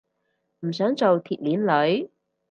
唔想做鐵鏈女